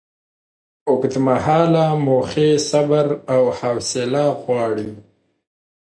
اوږدمهاله موخې صبر او حوصله غواړي.